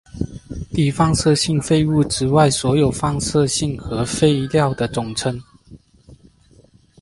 低放射性废物之外所有放射性核废料的总称。